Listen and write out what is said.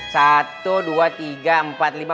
satu dua tiga empat lima